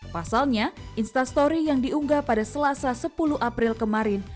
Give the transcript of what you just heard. pasalnya instastory yang diunggah pada selasa sepuluh april kemarin